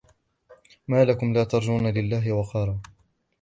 ما لكم لا ترجون لله وقارا